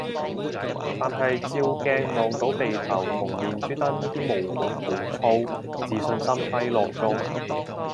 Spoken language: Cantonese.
但係照鏡望到鼻頭同面珠墩啲毛孔好粗，自信心低落中